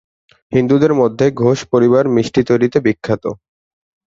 হিন্দুদের মধ্যে ঘোষ পরিবার মিষ্টি তৈরিতে বিখ্যাত।